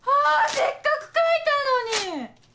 せっかく書いたのに！